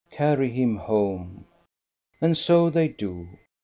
Carry him home ! And so they do.